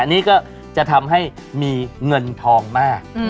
อันนี้ก็จะทำให้มีเงินทองมาก